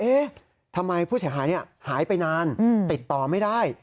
ทำไมผู้เสียหายหายไปนานติดต่อไม่ได้